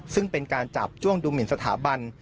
ซึ่งเป็นการจับจ้วงดูหมินสถาบัน